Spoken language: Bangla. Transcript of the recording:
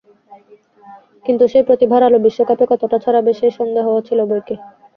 কিন্তু সেই প্রতিভার আলো বিশ্বকাপে কতটা ছড়াবে, সেই সন্দেহও ছিল বৈকি।